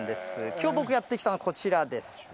きょう、僕やって来たのこちらです。